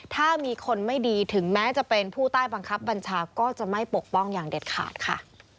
ถ้ามีคนไม่ดีถึงแม้จะเป็นผู้ใต้บังคับบัญชาก็จะไม่ปกป้องอย่างเด็ดขาดค่ะ